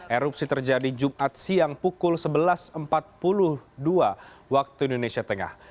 erupsi terjadi jumat siang pukul sebelas empat puluh dua waktu indonesia tengah